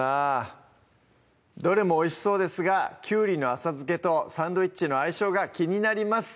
どれもおいしそうですがきゅうりの浅漬けとサンドイッチの相性が気になります